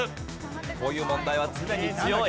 こういう問題は常に強い。